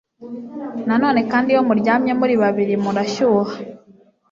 nanone kandi iyo muryamye muri babiri murashyuha